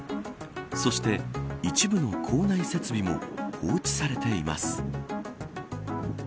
そして一部の校内設備も放置されています。